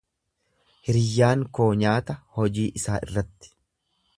Hiriyyaan koo nyaata hojii isaa irratti.